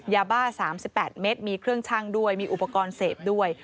ยาบ้า๓๘เม็ดมีเครื่องชั่งด้วยมีอุปกรณ์เสพด้วย